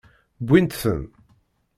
Wwint-ten.